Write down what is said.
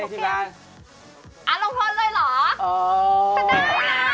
ดูดูว่าต้องเสียง